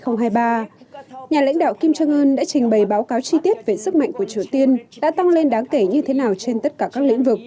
nhà lãnh đạo kim trương ương đã trình bày báo cáo chi tiết về sức mạnh của triều tiên đã tăng lên đáng kể như thế nào trên tất cả các lĩnh vực